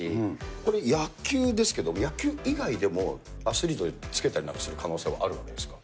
これ、野球ですけど、野球以外でもアスリートでつけたりなんかする可能性はあるわけですか？